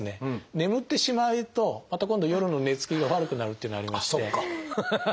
眠ってしまうとまた今度夜の寝つきが悪くなるっていうのありまして。